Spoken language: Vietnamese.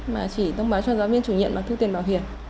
mà chỉ thông báo cho giáo viên chủ nhiệm bằng thu tiền bảo hiểm